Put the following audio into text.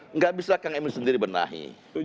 nggak bisa kang emil sendiri benahi